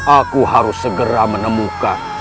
aku harus segera menemukan